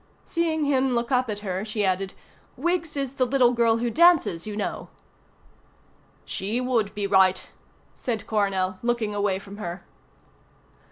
Seeing him look up at her she added, "Wiggs is the little girl who dances, you know." "She would be right," said Coronel, looking away from her.